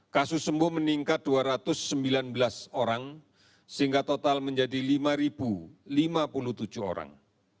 kasus sembuh meningkat dua ratus sembilan belas orang sehingga total menjadi lima lima puluh tujuh orang